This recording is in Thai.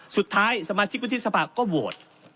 สุดท้ายสมาชิกมุทธิสภาพก็โวต